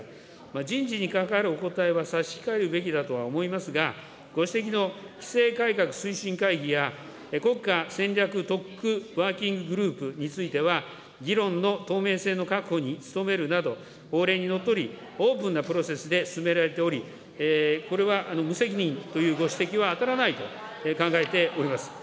人事に関わるお答えは差し控えるべきだとは思いますが、ご指摘の規制改革推進会議や、国家戦略特区ワーキンググループについては、議論の透明性の確保に努めるなど、法令にのっとり、オープンなプロセスで進められており、これは無責任というご指摘には当たらないと考えております。